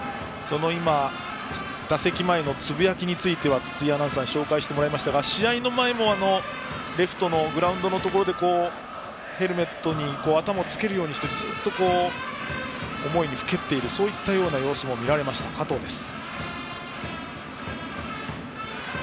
今、打席前のつぶやきについては筒井アナウンサーに紹介してもらいましたが試合の前もグラウンドのレフトのところでヘルメットに頭をつけるようにしてずっと思いにふけっているそういったような様子も見られました加藤です。